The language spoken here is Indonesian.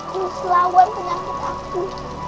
ini selawan penyakit aku